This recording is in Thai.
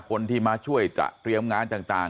คนที่มาช่วยเตรียมงานต่าง